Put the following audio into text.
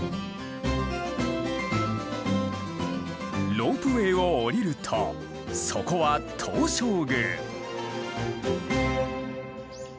ロープウェイを降りるとそこは東照宮。